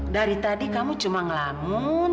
dari tadi kamu cuma ngelangun